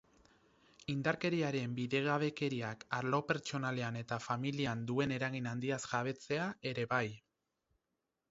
Indarkeriaren bidegabekeriak arlo pertsonalean eta familian duen eragin handiaz jabetzea ere bai.